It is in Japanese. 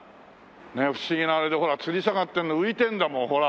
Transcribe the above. ねえ不思議なあれでほらつり下がってんの浮いてるんだもんほら。